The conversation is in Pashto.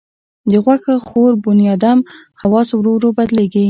د غوښه خور بنیادم حواس ورو ورو بدلېږي.